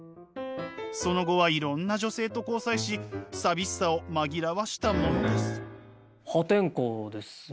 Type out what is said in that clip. その後はいろんな女性と交際し寂しさを紛らわしたものです。